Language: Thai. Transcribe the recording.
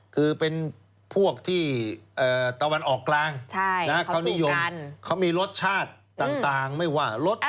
คือเป็นพวกที่ตะวันออกกลางเขานิยมเขามีรสชาติต่างไม่ว่ารส